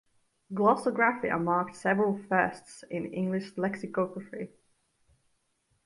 "Glossographia" marked several "firsts" in English lexicography.